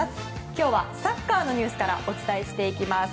今日はサッカーのニュースからお伝えしていきます。